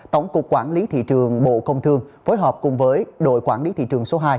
tổng cục quản lý thị trường bộ công thương phối hợp cùng với đội quản lý thị trường số hai